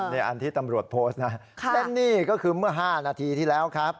นี่อันที่ตำรวจโพสต์นะและนี่ก็คือเมื่อ๕นาทีที่แล้วครับ